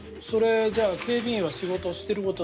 警備員は仕事をしていることに